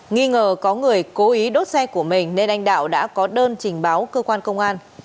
nghi ngờ có người cố ý đốt xe của mình nên anh đạo đã có đơn trình báo cơ quan công an